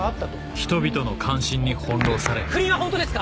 人々の関心に翻弄され不倫はホントですか？